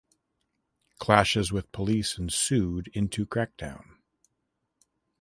Clashes with police ensued into crackdown.